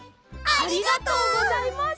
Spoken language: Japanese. ありがとうございます！